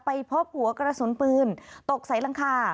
พบหัวกระสุนปืนตกใส่หลังคา